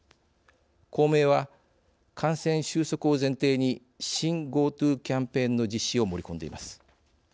公明は、感染収束を前提に新ＧｏＴｏキャンペーンの実施を盛り込んでいます。